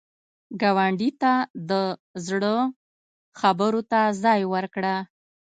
ګاونډي ته د زړه خبرو ته ځای ورکړه